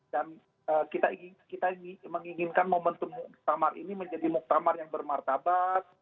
dan kita menginginkan momentum muktamar ini menjadi muktamar yang bermartabat